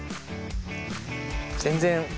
全然。